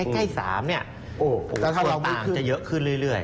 ใกล้๓เนี่ยโอ้โหเคลอดปางจะเยอะขึ้นเรื่อย